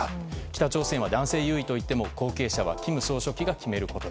北朝鮮は男性優位といっても後継者は金総書記が決めること。